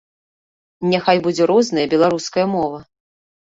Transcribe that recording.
Няхай будзе розная беларуская мова!